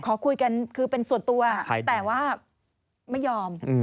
ขอคุยกันคือเป็นส่วนตัวแต่ว่าไม่ยอม